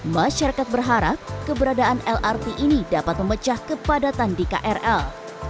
masyarakat berharap keberadaan lrt ini dapat memecah kepadatan di krl